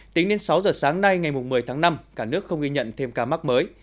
tính đến sáu giờ sáng nay ngày một mươi tháng năm cả nước không ghi nhận thêm ca mắc mới